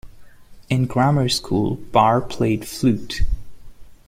In grammar school Barre played flute.